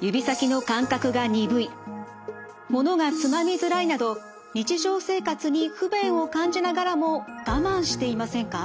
指先の感覚が鈍いものがつまみづらいなど日常生活に不便を感じながらも我慢していませんか？